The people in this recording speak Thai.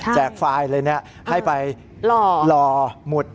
แจกไฟล์เลยให้ไปลอหมุด